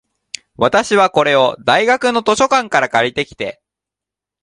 私は、これを大学の図書館から借りてきて、